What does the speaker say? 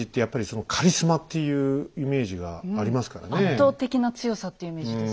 圧倒的な強さっていうイメージですよね。